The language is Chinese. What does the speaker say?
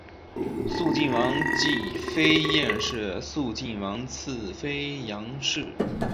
肃靖王继妃晏氏肃靖王次妃杨氏